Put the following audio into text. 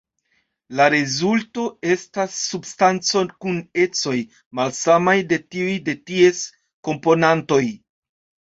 La rezulto estas substanco kun ecoj malsamaj de tiuj de ties komponantoj.